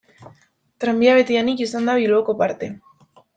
Tranbia betidanik izan da Bilboko parte.